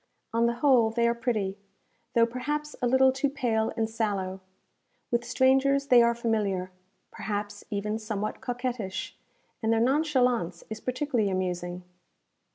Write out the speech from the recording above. On the whole, they are pretty; though perhaps a little too pale and sallow. With strangers they are familiar, perhaps even somewhat coquettish, and their nonchalance is particularly amusing.